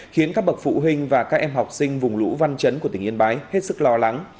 khiến các bậc phụ huynh và các em học sinh vùng lũ văn chấn của tỉnh yên bái hết sức lo lắng